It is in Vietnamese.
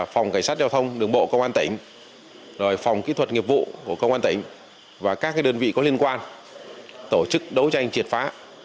phòng cảnh sát giao thông đường bộ công an tỉnh phòng kỹ thuật nghiệp vụ của công an tỉnh và các đơn vị có liên quan tổ chức đấu tranh triệt phá